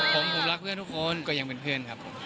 ผมรักเพื่อนทุกคนก็ยังเป็นเพื่อนครับผม